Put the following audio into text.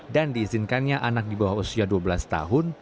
dan diizinkannya anak di bawah usia dua belas tahun